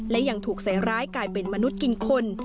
และยังถูกใส่ร้ายกลายเป็นมนุษย์กินคน